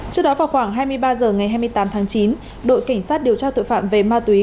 trước đó vào khoảng hai mươi ba h ngày hai mươi tám tháng chín đội cảnh sát điều tra tội phạm về ma túy